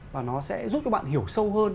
và nó sẽ giúp cho bạn hiểu sâu hơn